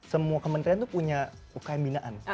semua kementerian itu punya ukm binaan